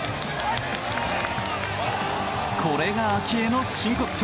これが明愛の真骨頂。